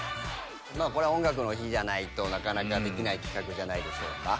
これは「音楽の日」じゃないとなかなかできない企画じゃないでしょうか。